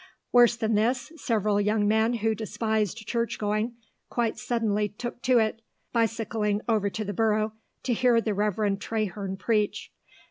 Worse than this, several young men who despised church going, quite suddenly took to it, bicycling over to the Borough to hear the Reverend Traherne preach.